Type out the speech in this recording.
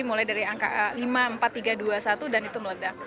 mulai dari angka lima empat tiga dua satu dan itu meledak